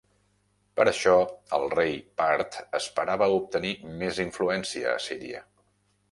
Per això, el rei Part esperava obtenir més influència a Síria.